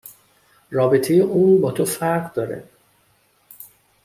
رابطه اون با تو فرق داره